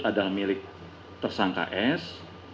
adalah milik tersangka s